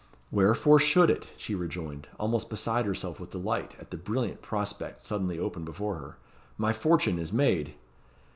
"Wherefore should it?" she rejoined, almost beside herself with delight at the brilliant prospect suddenly opened before her. "My fortune is made."